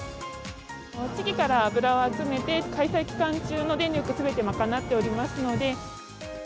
地域から油を集めて、開催期間中の電力すべてを賄っておりますので。